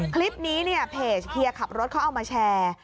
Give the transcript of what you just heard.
คลิปนี้เนี่ยเพจเฮียขับรถเขาเอามาแชร์